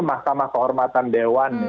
mahkamah kehormatan dewan